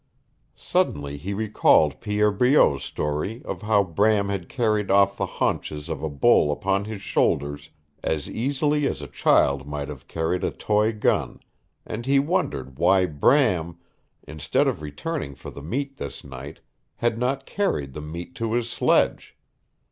Suddenly he recalled Pierre Breault's story of how Bram had carried off the haunches of a bull upon his shoulders as easily as a child might have carried a toy gun, and he wondered why Bram instead of returning for the meat this night had not carried the meat to his sledge.